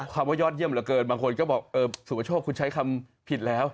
ว่ายอดเยี่ยมเหลือเกินบางคนก็บอกสุประโชคคุณใช้คำผิดแล้ว